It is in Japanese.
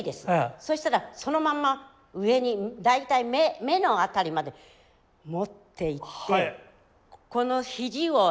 そしたらそのまんま上に大体目の辺りまで持っていってここの肘をなるたけ上にして。